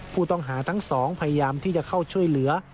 ผู้ต้องหาทั้งสองพยายามที่จะเข้าช่วยเหลือ